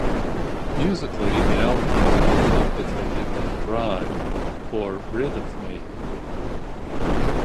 Musically, the album is more complicated than "Dry" or "Rid Of Me".